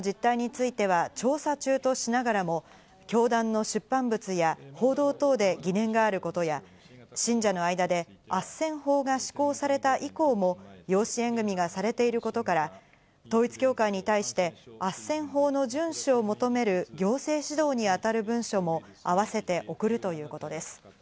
また現時点では養子縁組の実態については調査中としながらも、教団の出版物や報道等で疑念があることや、信者の間であっせん法が施行された以降も、養子縁組がされていることから統一教会に対して、あっせん法の遵守を求める行政指導に当たる文書も併せて送るということです。